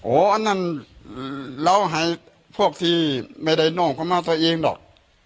โอ้อันนั้นเราให้พวกที่ไม่ได้นองคำี้ตัวอื่นหรอก